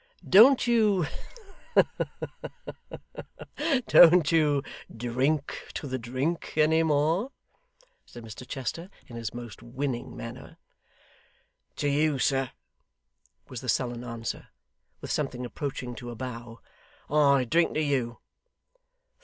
'Don't you ha, ha! don't you drink to the drink any more?' said Mr Chester, in his most winning manner. 'To you, sir,' was the sullen answer, with something approaching to a bow. 'I drink to you.